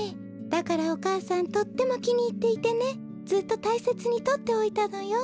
だからお母さんとってもきにいっていてねずっとたいせつにとっておいたのよ。